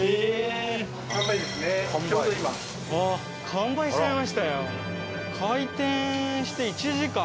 完売しちゃいましたよ。